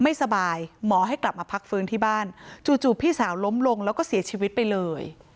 ไม่สบายหมอให้กลับมาพักฟื้นที่บ้านจู่พี่สาวล้มลงแล้วก็เสียชีวิตไปเลย